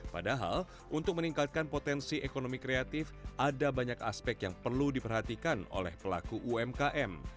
padahal untuk meningkatkan potensi ekonomi kreatif ada banyak aspek yang perlu diperhatikan oleh pelaku umkm